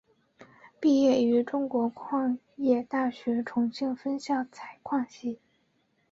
毕业于中国矿业大学重庆分校采矿系。